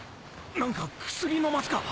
何か薬飲ますか？